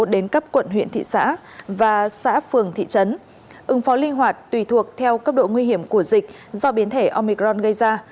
đến cấp quận huyện thị xã và xã phường thị trấn ứng phó linh hoạt tùy thuộc theo cấp độ nguy hiểm của dịch do biến thể omicron gây ra